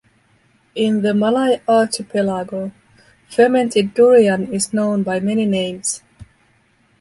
In the Malay archipelago, fermented durian is known by many names.